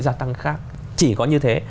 giả tăng khác chỉ có như thế